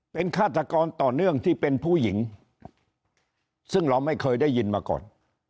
เป็นฆาตกรต่อเนื่องที่เป็นผู้หญิงซึ่งเราไม่เคยได้ยินมาก่อน